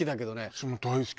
私も大好き。